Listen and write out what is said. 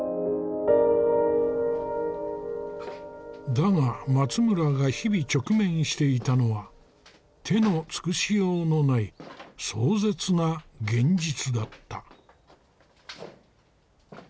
だが松村が日々直面していたのは手の尽くしようのない壮絶な現実だった。